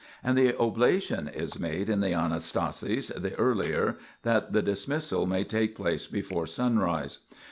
And the oblation is made in the Anastasis the earlier, that the dismissal may take place before sunrise.